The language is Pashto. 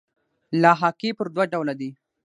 لاحقې پر دوه ډوله دي.